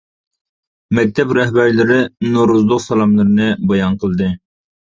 مەكتەپ رەھبەرلىرى نورۇزلۇق سالاملىرىنى بايان قىلدى.